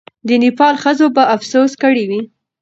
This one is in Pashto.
د نېپال ښځو به افسوس کړی وي.